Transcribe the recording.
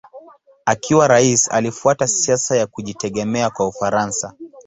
Akiwa rais alifuata siasa ya kujitegemea kwa Ufaransa.